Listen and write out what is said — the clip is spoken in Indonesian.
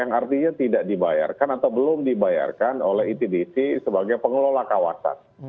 yang artinya tidak dibayarkan atau belum dibayarkan oleh itdc sebagai pengelola kawasan